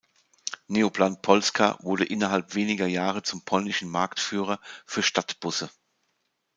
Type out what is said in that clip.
Neoplan Polska wurde innerhalb weniger Jahre zum polnischen Marktführer für Stadtbusse.